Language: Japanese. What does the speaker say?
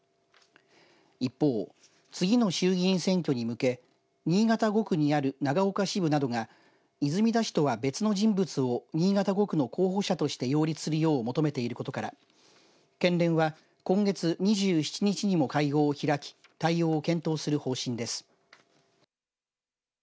一方、次の衆議院選挙に向け新潟５区にある長岡支部などが泉田氏とは別の人物を新潟５区の候補者として擁立するよう求めていることから県連は今月２７日にも会合を開き対応を検討する方針です。